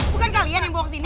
bukan kalian yang bawa ke sini